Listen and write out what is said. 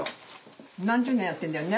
何十年やってるんだよね。